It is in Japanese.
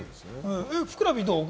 ふくらＰはどう？